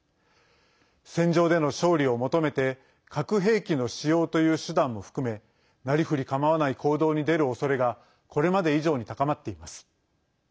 戦場での勝利を求めて核兵器の使用という手段も含めなりふり構わない行動に出るおそれがこれまで以上に高まっています。